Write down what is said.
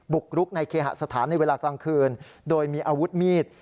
กรุกในเคหสถานในเวลากลางคืนโดยมีอาวุธมีด